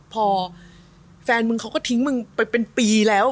พอแฟนมึงเขาก็ทิ้งมึงไปเป็นปีแล้ว